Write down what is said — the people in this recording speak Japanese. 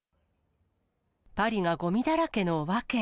パリがごみだらけの訳。